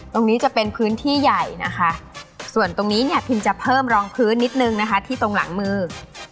ตรงนี้จะเป็นพื้นที่ใหญ่นะคะส่วนตรงนี้เนี่ยพิมจะเพิ่มรองพื้นนิดนึงนะคะที่ตรงหลังมือ